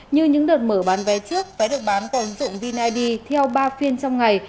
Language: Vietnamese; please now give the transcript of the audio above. như những đợt mở bán vé trước vé được bán còn dụng vin id theo ba phiên trong ngày